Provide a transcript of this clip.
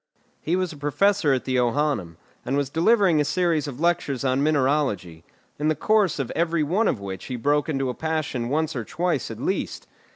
He was professor at the Johannæum, and was delivering a series of lectures on mineralogy, in the course of every one of which he broke into a passion once or twice at least.